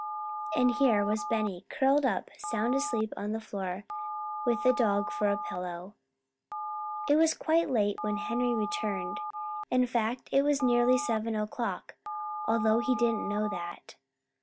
And here was Benny, curled up sound asleep on the ground with the dog for a pillow. It was quite late when Henry returned. In fact, it was nearly seven o'clock, although he didn't know that.